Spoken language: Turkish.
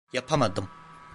Yapamadım.